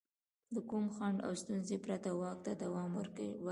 له کوم خنډ او ستونزې پرته واک ته دوام ورکړي.